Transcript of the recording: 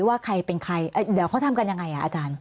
ว่าใครเป็นใครเดี๋ยวเขาทำกันยังไงอ่ะอาจารย์